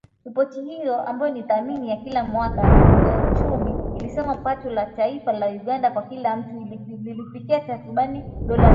Ripoti hiyo, ambayo ni tathmini ya kila mwaka ya uchumi, ilisema pato la taifa la Uganda kwa kila mtu lilifikia takriban dola mia